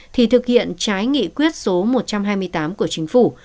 thì thực hiện trái nghị quyết số một trăm hai mươi tám của chính phủ